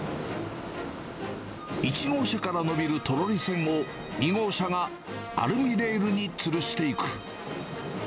１号車からのびるトロリ線を、２号車がアルミレールにつるしていく。